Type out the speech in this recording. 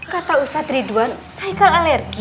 kata ustad ridwan haikal alergi